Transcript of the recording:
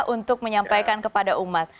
untuk menyampaikan kepada umat